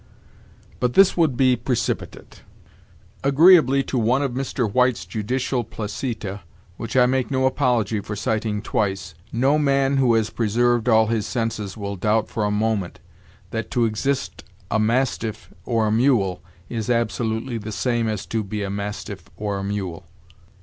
But this would be precipitate. Agreeably to one of Mr. White's judicial placita, which I make no apology for citing twice, 'no man who has preserved all his senses will doubt for a moment that "to exist a mastiff or a mule" is absolutely the same as "to be a mastiff or a mule."'